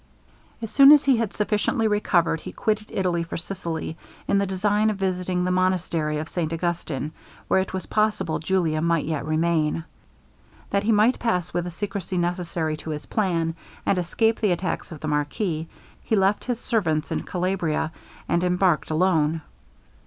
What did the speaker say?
As soon as he was sufficiently recovered, he quitted Italy for Sicily, in the design of visiting the monastery of St Augustin, where it was possible Julia might yet remain. That he might pass with the secrecy necessary to his plan, and escape the attacks of the marquis, he left his servants in Calabria, and embarked alone.